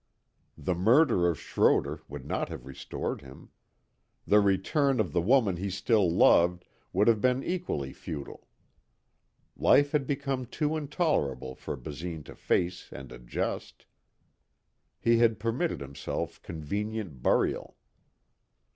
The murder of Schroder would not have restored him. The return of the woman he still loved would have been equally futile. Life had become too intolerable for Basine to face and adjust. He had permitted himself convenient burial.